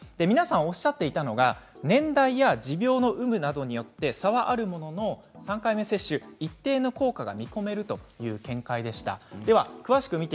皆さんおっしゃっていたのは年代や持病の有無などによって差はあるものの３回目接種、一定の効果が見込めるという見解でした。